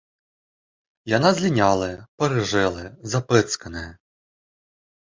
Яна злінялая, парыжэлая, запэцканая.